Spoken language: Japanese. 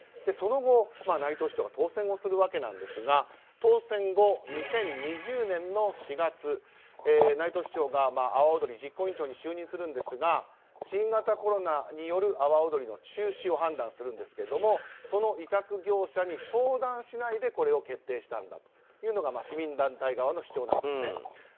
その後、内藤市長が当選するわけなんですが当選後、２０２０年の４月内藤市長が阿波おどり実行委員長に就任するんですが新型コロナによる阿波おどりの中止を判断するんですけれどもその委託業者に相談しないでこれを決定したんだというのが市民団体側の主張なんです。